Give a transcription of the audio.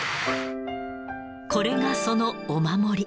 これがそのお守り。